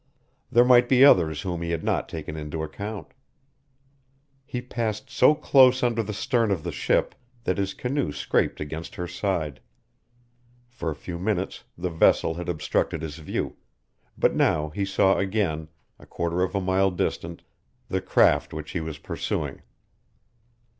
There might be others whom he had not taken into account. He passed so close under the stern of the ship that his canoe scraped against her side. For a few minutes the vessel had obstructed his view, but now he saw again, a quarter of a mile distant, the craft which he was pursuing.